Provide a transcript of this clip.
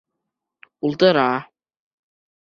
— Ултыра.